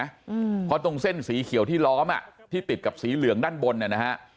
อืมเพราะตรงเส้นสีเขียวที่ล้อมอ่ะที่ติดกับสีเหลืองด้านบนเนี่ยนะฮะ